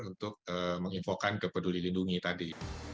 untuk menginfokan ke peduli lindungi tadi